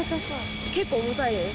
結構重たいです。